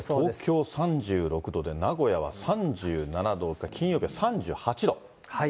東京３６度で、名古屋は３７度、金曜日は３８度。